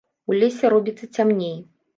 У лесе робіцца цямней.